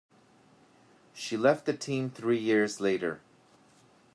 She left the team three years later.